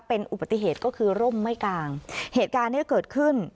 เป็นอุบัติเหตุก็คือร่มไม่กลางเหตุการณ์เนี้ยเกิดขึ้น